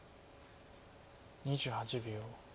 ２８秒。